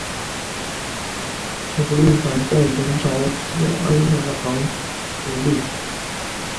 酒令牌在元朝有安雅堂觥律。